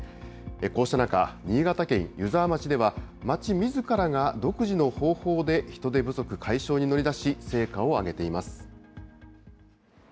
こうした中、新潟県湯沢町では町みずからが独自の方法で人手不足解消に乗り出し、成果を上げています。